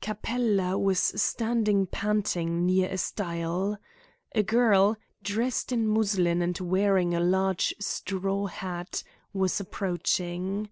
Capella was standing panting near a stile. A girl, dressed in muslin, and wearing a large straw hat, was approaching.